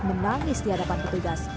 menangis di hadapan petugas